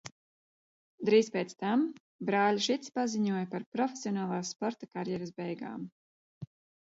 Drīz pēc tam brāļi Šici paziņoja par profesionālā sporta karjeras beigām.